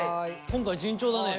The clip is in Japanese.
今回順調だね。